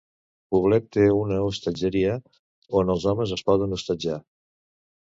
Poblet té una hostatgeria on els homes es poden hostatjar.